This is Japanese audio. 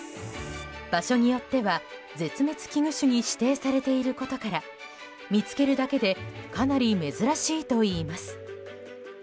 場所によっては絶滅危惧種に指定されていることから見つけるだけでかなり珍しいといいます。